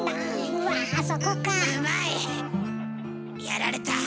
やられた。